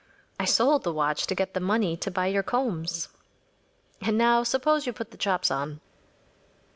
I sold the watch to get the money to buy your combs. And now suppose you put the chops on.